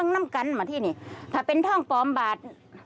ถ้าเป็นท่องปลอมบาท